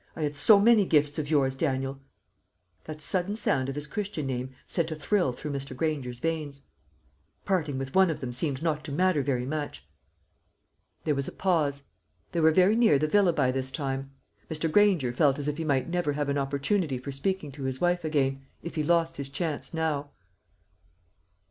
I had so many gifts of yours, Daniel" that sudden sound of his Christian name sent a thrill through Mr. Granger's veins "parting with one of them seemed not to matter very much." There was a pause. They were very near the villa by this time. Mr. Granger felt as if he might never have an opportunity for speaking to his wife again, if he lost his chance now.